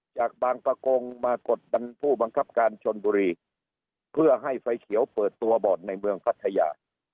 จากบางประกงมากดดันผู้บังคับการชนบุรีเพื่อให้ไฟเขียวเปิดตัวบ่อนในเมืองพัทยา